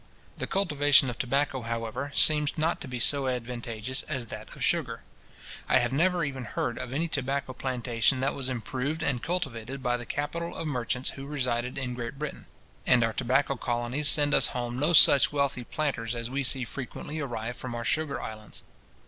The cultivation of tobacco, however, seems not to be so advantageous as that of sugar. I have never even heard of any tobacco plantation that was improved and cultivated by the capital of merchants who resided in Great Britain; and our tobacco colonies send us home no such wealthy planters as we see frequently arrive from our sugar islands.